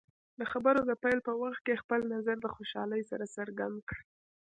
د خبرو د پیل په وخت کې خپل نظر د خوشحالۍ سره څرګند کړئ.